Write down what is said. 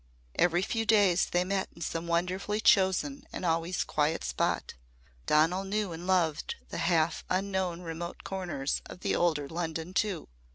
Every few days they met in some wonderfully chosen and always quiet spot. Donal knew and loved the half unknown remote corners of the older London too.